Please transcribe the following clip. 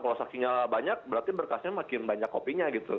kalau saksinya banyak berarti berkasnya makin banyak copynya gitu